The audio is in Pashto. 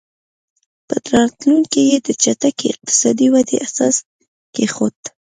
په راتلونکي کې یې د چټکې اقتصادي ودې اساس کېښود.